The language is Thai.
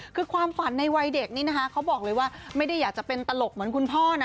คือความฝันในวัยเด็กนี้นะคะเขาบอกเลยว่าไม่ได้อยากจะเป็นตลกเหมือนคุณพ่อนะ